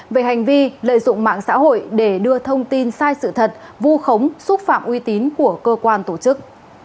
về hành vi lợi dụng mạng xã hội để đưa thông tin sai sự thật vu khống xúc phạm uy tín của cơ quan tổ chức